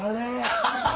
ハハハハ！